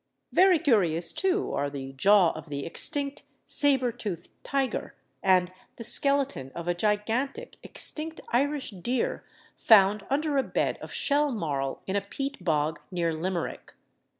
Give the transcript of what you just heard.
Very curious too, are the jaw of the extinct sabre toothed tiger, and the skeleton of a gigantic extinct Irish deer found under a bed of shell marl in a peat bog near Limerick.